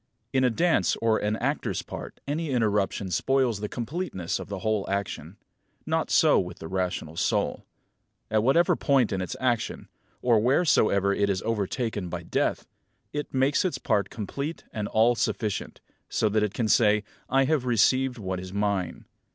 In a dance or an actor's part any interruption spoils the completeness of the whole action. Not so with the rational soul. At whatever point in its action, or wheresoever it is overtaken by death, it makes its part complete and all sufficient; so that it can say, "I have received what is mine."